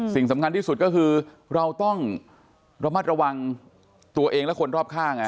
สิ่งสำคัญที่สุดก็คือเราต้องระมัดระวังตัวเองและคนรอบข้าง